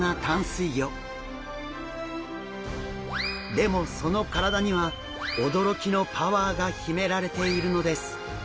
でもその体には驚きのパワーが秘められているのです。